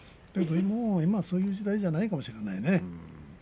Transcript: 今はそういう時代じゃないかもしれないね。